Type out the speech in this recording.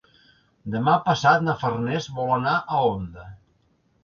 Demà passat na Farners vol anar a Onda.